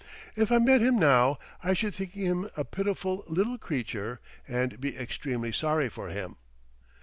If I met him now I should think him a pitiful little creature and be extremely sorry for him.